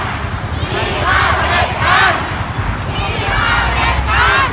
อัศวินธรรมชาติอัศวินธรรมชาติ